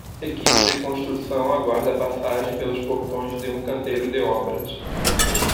Equipe de construção aguarda passagem pelos portões de um canteiro de obras.